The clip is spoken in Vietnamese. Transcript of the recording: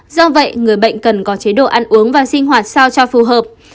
do vậy người bệnh cần có chế độ ăn uống và sinh hoạt sao cho phù hợp